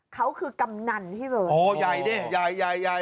เขาคือกำนันที่เบิร์น